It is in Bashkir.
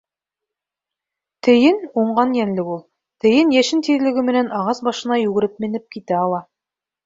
Тейен — уңған йәнлек ул. Тейен йәшен тиҙлеге менән ағас башына йүгереп менеп китә ала.